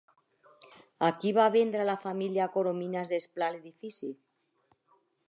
A qui va vendre la família Coromines-Desplà l'edifici?